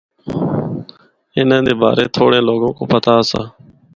ان دے بارے تھوڑیاں لوگاں کو پتہ آسا۔